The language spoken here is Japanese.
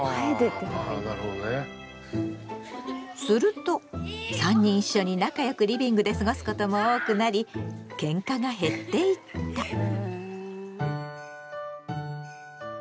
すると３人一緒に仲良くリビングで過ごすことも多くなりケンカが減っていった。